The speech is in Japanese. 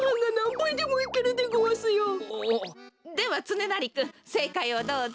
おおっではつねなりくんせいかいをどうぞ！